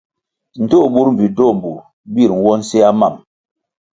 Ndtoh burʼ mbpi ndtoh burʼ bir nwo nsea mam.